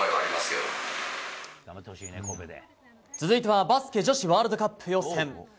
続いてはバスケ女子ワールドカップ予選。